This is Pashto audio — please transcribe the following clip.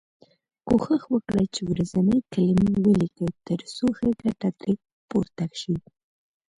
کوښښ وکړی چې ورځنۍ کلمې ولیکی تر څو ښه ګټه ترې پورته شی.